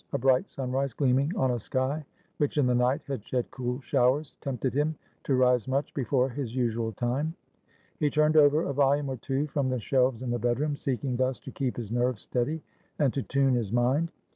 A bright sunrise gleaming on a sky which in the night had shed cool showers tempted him to rise much before his usual time. He turned over a volume or two from the shelves in the bedroom, seeking thus to keep his nerves steady and to tune his mind.